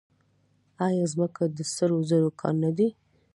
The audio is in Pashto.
آیا ځمکه د سرو زرو کان نه دی؟